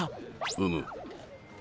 うむ。